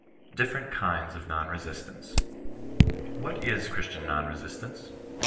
DITFEBElf T KINDS OF NON BESISTAKCE. What is Christian Kon Resistance ?